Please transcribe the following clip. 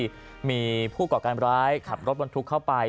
ที่มีผู้ก่อการร้ายขับรถบรรทุกเข้าไป